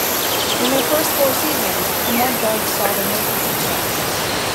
In their first four seasons, the Mudbugs saw their most success.